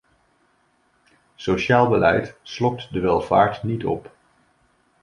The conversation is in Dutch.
Sociaal beleid slokt de welvaart niet op.